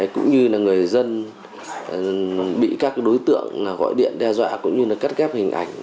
cũng như là người dân bị các đối tượng gọi điện đe dọa cũng như là cắt ghép hình ảnh